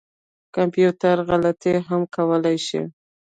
کمپیوټر غلطي هم کولای شي